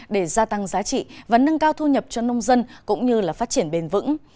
để gia tăng giá trị và nâng cao thu nhập cho nông dân cũng như là phát triển bền vững